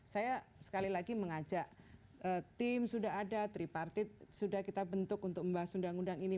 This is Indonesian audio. saya sekali lagi mengajak tim sudah ada tripartit sudah kita bentuk untuk membahas undang undang ini